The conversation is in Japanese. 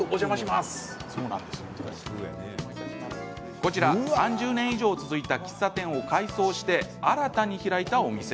こちら、３０年以上続いた喫茶店を改装して新たに開いたお店。